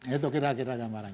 itu kira kira gambarannya